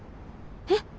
えっ？